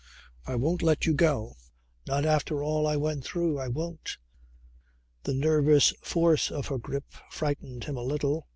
I won't let you go. Not after all I went through. I won't." The nervous force of her grip frightened him a little.